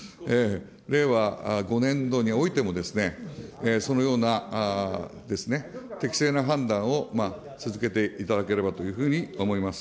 令和５年度においても、そのような適正な判断を続けていただければというふうに思います。